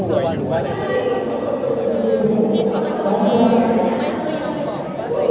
คือพี่มันไม่เคยภูมิของว่าตัวจริงเป็นอะไร